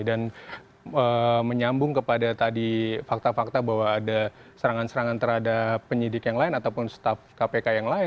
dan menyambung kepada tadi fakta fakta bahwa ada serangan serangan terhadap penyidik yang lain ataupun staff kpk yang lain